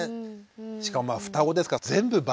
しかも双子ですから全部倍。